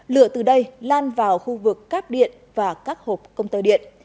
lựa từ đây lan vào khu vực các điện và các hộp công tơ điện